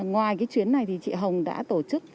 ngoài cái chuyến này thì chị hồng đã tổ chức